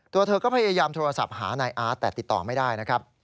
ตัวเธอก็พยายามโทรศัพท์หานายอาร์ตแต่ติดต่อไม่ได้นะครับ